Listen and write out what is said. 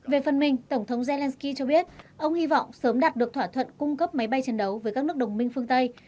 về phần mình tổng thống zelensky cho biết ông hy vọng sớm đạt được thỏa thuận cung cấp máy bay chiến đấu với các nước đồng minh phương tây